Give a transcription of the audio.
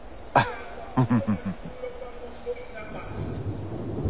フフフフ。